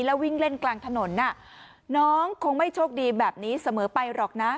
แล้ววิ่งเล่นกลางถนนน้องคงไม่โชคดีแบบนี้เสมอไปหรอกนะ